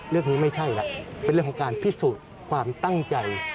ไม่ใช่แล้วเป็นเรื่องของการพิสูจน์ความตั้งใจ